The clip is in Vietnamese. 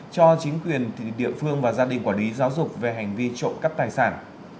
cho chính quyền địa phương và gia đình quản lý giáo dục về hành vi trộm cắp tài sản